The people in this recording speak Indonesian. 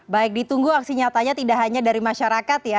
baik ditunggu aksi nyatanya tidak hanya dari masyarakat ya